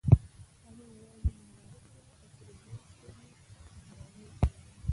هغه یوازې ننداره کوله او فریدګل ته یې د ارامۍ وویل